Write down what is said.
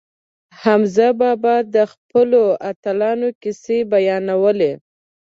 حمزه بابا د خپلو اتلانو کیسې بیانولې.